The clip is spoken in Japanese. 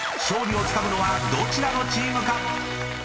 ［勝利をつかむのはどちらのチームか⁉］